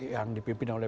yang dipimpin oleh